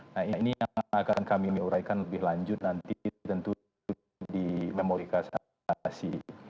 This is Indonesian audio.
nah ini yang akan kami meuraikan lebih lanjut nanti tentu di memulihkan saat terakhir